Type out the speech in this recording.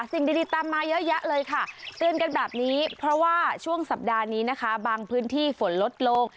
สิ่งดีตามมาเยอะแยะเลยค่ะเตือนกันแบบนี้เพราะว่าช่วงสัปดาห์นี้นะคะบางพื้นที่ฝนลดลง